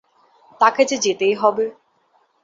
তাকে যে যেতেই হবে।